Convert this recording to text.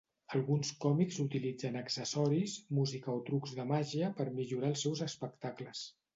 Alguns còmics utilitzen accessoris, música o trucs de màgia per millorar els seus espectacles.